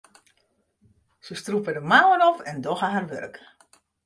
Se strûpe de mouwen op en dogge har wurk.